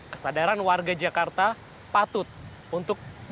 kesadaran warga jakarta patut untuk